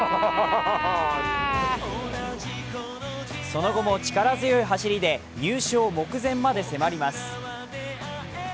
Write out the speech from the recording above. その後も力強い走りで入賞目前にまで迫ります。